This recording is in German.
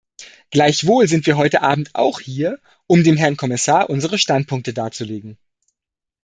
Gleichwohl sind wir heute Abend auch hier, um dem Herrn Kommissar unsere Standpunkte darzulegen.